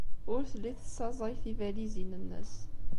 Ur telli tessaẓay tibalizin-nnes.